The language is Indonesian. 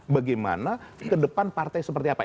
bagaimana ke depan partai seperti apa